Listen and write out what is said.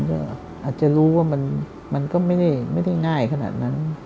ก็อาจจะรู้ว่ามันก็ไม่ได้ง่ายขนาดนั้น